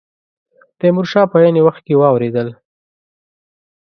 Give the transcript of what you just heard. تیمور شاه په عین وخت کې واورېدل.